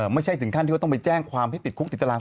ไม่ใช่ถึงขั้นที่ว่าต้องไปแจ้งความให้ติดคุกติดตาราง